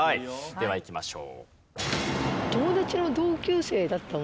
ではいきましょう。